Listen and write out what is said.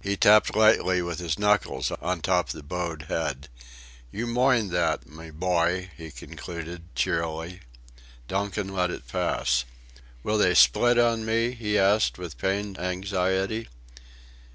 He tapped lightly with his knuckles the top of the bowed head. "You moind that, my bhoy!" he concluded, cheerily. Donkin let it pass. "Will they split on me?" he asked, with pained anxiety.